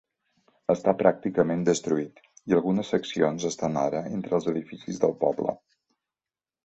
Està pràcticament destruït i algunes seccions estan ara entre els edificis del poble.